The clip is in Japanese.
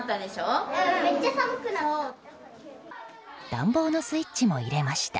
暖房のスイッチも入れました。